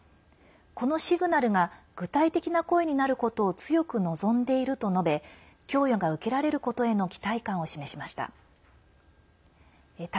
このシグナルが具体的な声になることを強く望んでいると述べ供与が受けられることへの期待感を示しました。